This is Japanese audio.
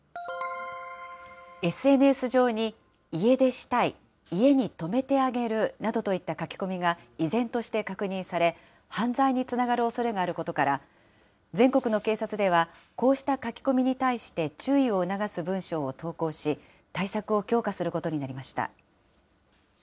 ＳＮＳ上に家出したい、家に泊めてあげるなどといった書き込みが依然として確認され、犯罪につながるおそれがあることから、全国の警察では、こうした書き込みに対して注意を促す文章を投稿し、対策を強化することになりました。